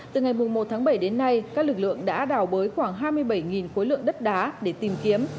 từ ngày một tháng bảy đến nay các lực lượng đã đào bới khoảng hai mươi bảy khối lượng đất đá để tìm kiếm